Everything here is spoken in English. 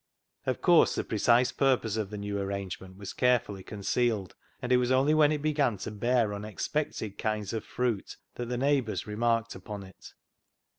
Of course, the precise pur pose of the new arrangement was carefully concealed, and it was only when it began to bear unexpected kinds of fruit that the neigh bours remarked upon it.